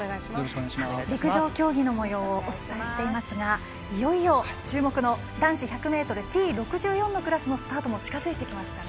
陸上競技のもようをお伝えしていますがいよいよ注目の男子１００ｍＴ６４のクラスのスタートも近づいてきました。